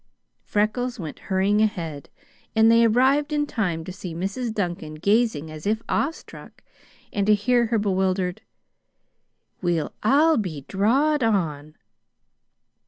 Freckles went hurrying ahead, and they arrived in time to see Mrs. Duncan gazing as if awestruck, and to hear her bewildered "Weel I be drawed on!"